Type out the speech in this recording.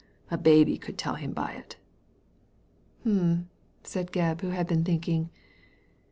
A baby could tell him by it" " Hum !" said Gebb, who had been thinking.